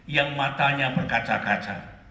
yang matanya berkaca kaca